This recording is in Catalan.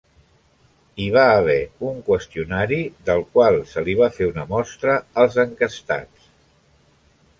Hi va haver un qüestionari del qual se li va fer una mostra als enquestats.